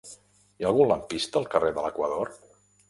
Hi ha algun lampista al carrer de l'Equador?